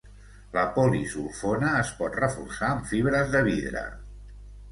La polisulfona es pot reforçar amb fibres de vidre.